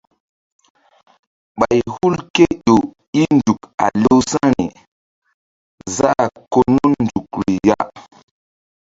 Ɓay hul ké ƴo i nzuk a lewsa̧ri za̧h ko nun nzukri ya.